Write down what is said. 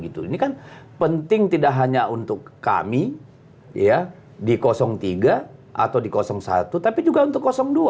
ini kan penting tidak hanya untuk kami di tiga atau di satu tapi juga untuk dua